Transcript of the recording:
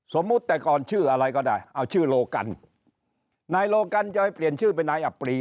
สมมุติแต่ก่อนชื่ออะไรก็ได้เอาชื่อโลกันนายโลกันจะไปเปลี่ยนชื่อเป็นนายอับปรี